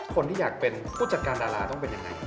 คนที่อยากเป็นผู้จัดการดาราต้องเป็นยังไง